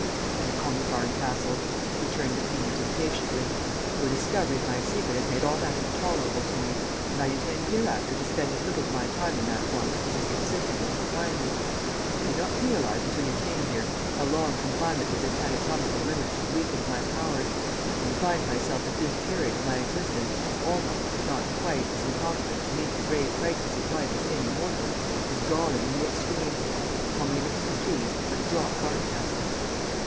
"Don't call me Barncastle," returned the fiend, impatiently. "Your discovery of my secret has made all that intolerable to me, and I intend hereafter to spend as little of my time in that form as is consistent with propriety. I did not realize until you came here how long confinement within anatomical limits had weakened my powers, and to find myself at this period of my existence almost, if not quite, as incompetent to meet the grave crises of life as any mortal, is galling in the extreme. Call me anything you please, but drop Barncastle."